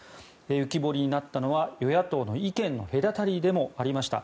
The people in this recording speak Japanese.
浮き彫りになったのは与野党の意見の隔たりでもありました。